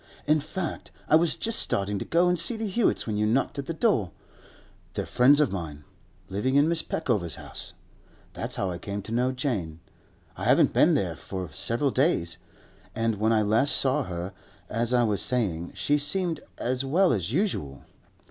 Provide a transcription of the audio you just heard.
'In fact, I was just starting to go and see the Hewetts when you knocked at the door. They're friends of mine—living in Mrs. Peckover's house. That's how I came to know Jane. I haven't been there for several days, and when I last saw her, as I was saying, she seemed as well as usual.